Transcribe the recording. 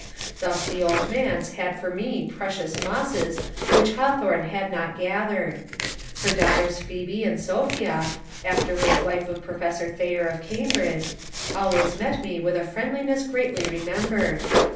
Thus the Old Manse had for me precious '^ mosses " which Hawthorne had not gathered. Her daughters Phoebe and Sophia (afterwards wife of Pro fessor Thayer of Cambridge) always met me with a friendli ness gratefully remembered.